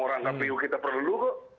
orang kpu kita perlu kok